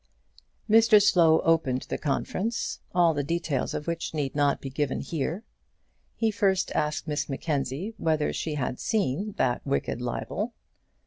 Mr Slow opened the conference, all the details of which need not be given here. He first asked Miss Mackenzie whether she had seen that wicked libel.